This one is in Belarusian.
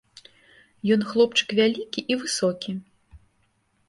Ён хлопчык вялікі і высокі.